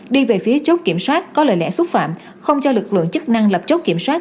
đi về phía chốt kiểm soát có lời lẽ xúc phạm không cho lực lượng chức năng lập chốt kiểm soát